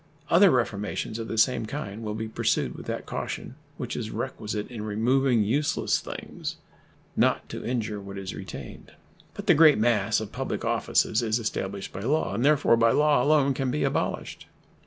Other reformations of the same kind will be pursued with that caution which is requisite in removing useless things, not to injure what is retained. But the great mass of public offices is established by law, and therefore by law alone can be abolished.